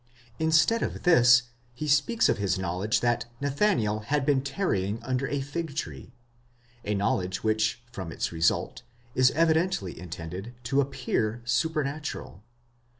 Instead of this he speaks of his knowledge that Nathanael had been tarrying under a fig tree: a knowledge which from its result is evidently intended to appear supernatural.